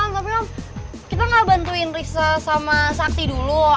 tapi kita gak bantuin risa sama sakti dulu